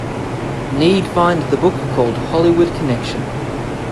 Need find the book called Hollywood Connection